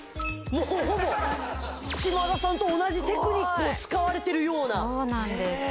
もうほぼ島田さんと同じテクニックを使われてるようなそうなんです